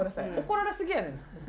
怒られすぎやねん。